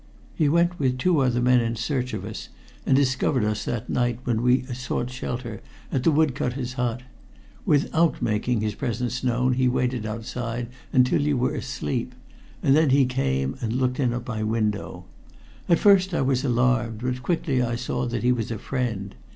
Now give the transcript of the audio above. He went with two other men in search of us, and discovered us that night when we sought shelter at the wood cutter's hut. Without making his presence known he waited outside until you were asleep, and then he came and looked in at my window. At first I was alarmed, but quickly I saw that he was a friend.